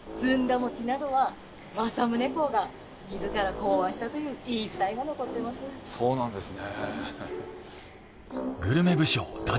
餅などは政宗公が自ら考案したという言い伝えが残ってますそうなんですね